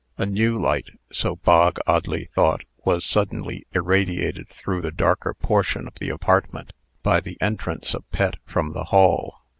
A new light (so Bog oddly thought) was suddenly irradiated through the darker portion of the apartment by the entrance of Pet from the hall.